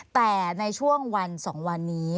แต่ในช่วงวัน๒วันนี้